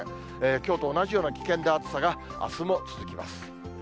きょうと同じような危険な暑さがあすも続きます。